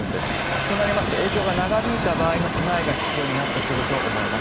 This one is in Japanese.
そうなりますと影響が長引いた場合の備えが必要になってくると思います。